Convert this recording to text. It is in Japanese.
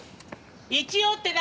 「一応」って何？